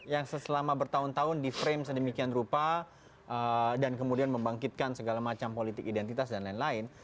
yang selama bertahun tahun di frame sedemikian rupa dan kemudian membangkitkan segala macam politik identitas dan lain lain